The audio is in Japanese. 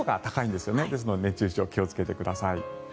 ですので熱中症に気をつけてください。